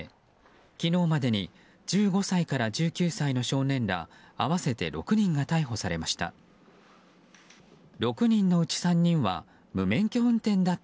昨日までに１５歳から１９歳の少年ら合わせて６人が逮捕されました。